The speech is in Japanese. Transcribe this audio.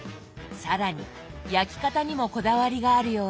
更に焼き方にもこだわりがあるようで。